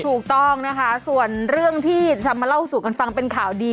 ถูกต้องนะคะส่วนเรื่องที่จะมาเล่าสู่กันฟังเป็นข่าวดี